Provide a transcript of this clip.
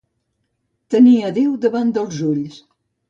Tenir a Déu davant dels ulls.